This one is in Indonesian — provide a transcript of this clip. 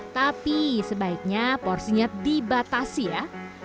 tapi sebaiknya porsinya dibatasi ya